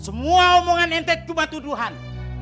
semua omongan ente cuma tuduhan